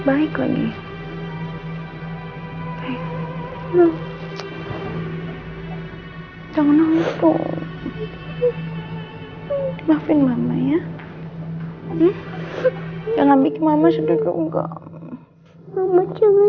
baik lagi hai hai jangan nangis dong maafin mama ya jangan bikin mama sedih juga jangan